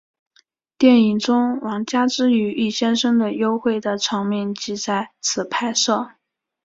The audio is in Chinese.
电影中王佳芝与易先生的幽会的场面即在此拍摄。